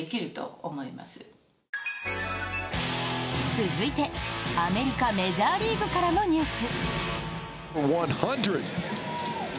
続いて、アメリカ・メジャーリーグからのニュース。